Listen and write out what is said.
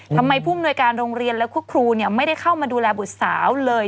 ผู้มนวยการโรงเรียนและคุณครูไม่ได้เข้ามาดูแลบุตรสาวเลย